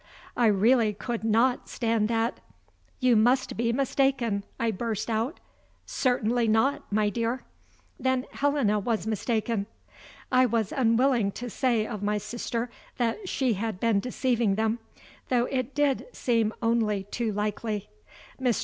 I really could not stand that. "You must be mistaken," I burst out. "Certainly not, my dear." "Then Helena was mistaken." I was unwilling to say of my sister that she had been deceiving them, though it did seem only too likely. Mr.